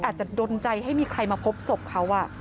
อาจจะดนใจให้มีใครมาพบศพเขา